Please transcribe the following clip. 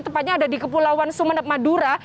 tepatnya ada di kepulauan sumeneb madura